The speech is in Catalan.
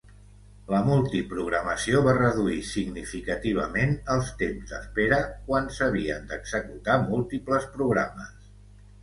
La multiprogramació va reduir significativament els tems d'espera quan s'havien d'executar múltiples programes.